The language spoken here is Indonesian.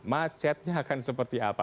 macetnya akan seperti apa